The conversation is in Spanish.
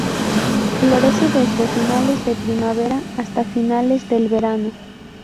Florece desde finales de primavera hasta finales del verano.